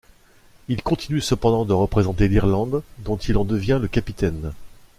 Il continue cependant de représenter l'Irlande dont il en devient le capitaine.